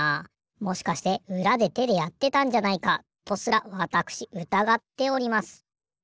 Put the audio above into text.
もしかしてうらでてでやってたんじゃないかとすらわたくしうたがっております。